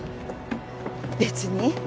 別に。